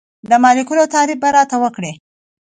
د مالیکول تعریف به راته وکړئ.